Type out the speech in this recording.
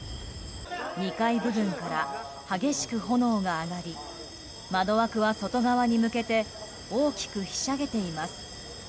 ２階部分から激しく炎が上がり窓枠は外側に向けて大きくひしゃげています。